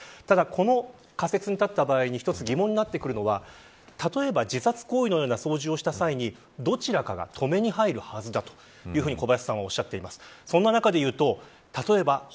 この仮説を立てた場合１つ疑問になるのが自殺行為のような操縦をした際どちらかが止めに入るはずだというふうに小林さんはおっしゃっています。